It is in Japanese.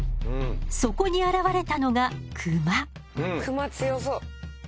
そこに現れたのがクマ強そう。